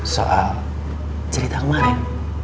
soal cerita kemarin